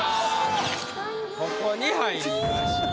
ここに入りました。